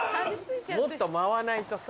もっと舞わないとさ。